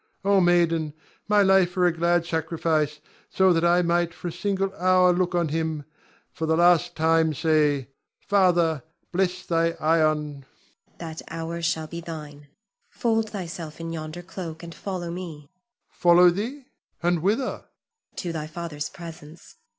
Ion. O maiden, my life were a glad sacrifice, so that I might for a single hour look on him, for the last time say, "My father, bless thy Ion." Zuleika. That hour shall be thine. Fold thyself in yonder cloak, and follow me. Ion. Follow thee, and whither? Zuleika. To thy father's presence.